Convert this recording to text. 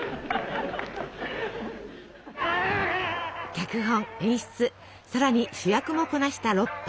脚本演出さらに主役もこなしたロッパ。